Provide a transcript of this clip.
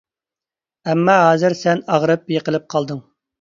ئەمما ھازىر سەن ئاغرىپ يىقىلىپ قالدىڭ.